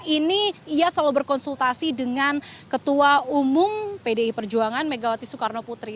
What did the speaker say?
ini ia selalu berkonsultasi dengan ketua umum pdi perjuangan megawati soekarno putri